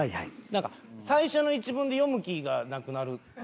なんか最初の一文で読む気がなくなる。